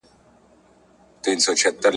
د توپانه ډکي وريځي `